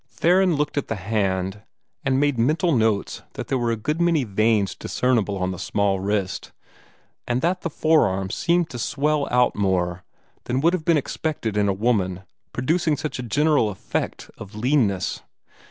Theron looked at the hand, and made mental notes that there were a good many veins discernible on the small wrist, and that the forearm seemed to swell out more than would have been expected in a woman producing such a general effect of leanness.